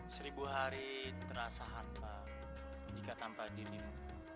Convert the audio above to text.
seribu hari terasa hampa jika tanpa dinimu